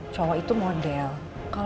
cowok itu mau berjalan ke sana